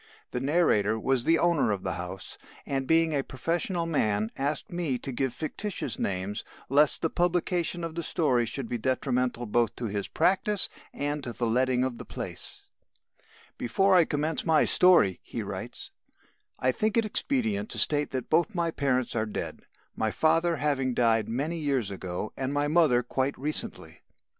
The narrator was the owner of the house, and, being a professional man, asked me to give fictitious names, lest the publication of the story should be detrimental both to his practice and to the letting of the place: "Before I commence my story," he writes, "I think it expedient to state that both my parents are dead, my father having died many years ago and my mother quite recently.